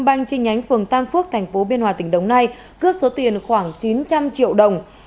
ban chi nhánh phường tam phước thành phố biên hòa tỉnh đồng nai cướp số tiền khoảng chín trăm linh triệu đồng